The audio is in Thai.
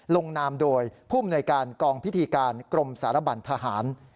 ลงนามโดยผู้มนวยการกองพิธีการกรมสารบันทหาร